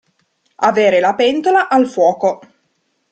Avere la pentola al fuoco.